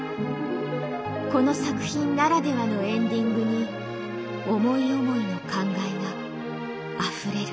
この作品ならではのエンディングに思い思いの感慨があふれる。